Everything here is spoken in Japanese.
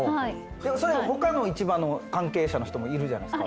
それ他の市場の関係者の人もいるじゃないですか。